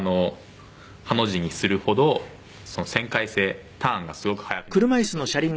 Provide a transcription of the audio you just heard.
ハの字にするほど旋回性ターンがすごく速くなるんですね」